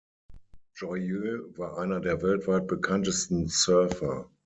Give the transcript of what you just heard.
Joyeux war einer der weltweit bekanntesten Surfer.